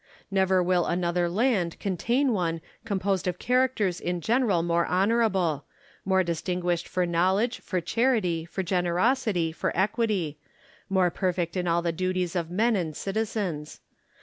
Never will another land contain one composed of characters in general more honourable ; more distinguished for know ledge, for charity, for generosity, for equity ; more perfect in all the duties of men and citizens.